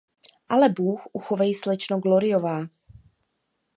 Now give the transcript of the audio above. Ale bůh uchovej, slečno Gloryová!